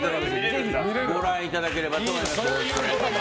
ぜひご覧いただければと思います。